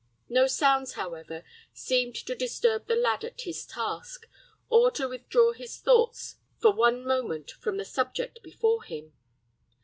No sounds, however, seemed to disturb the lad at his task, or to withdraw his thoughts for one moment from the subject before him.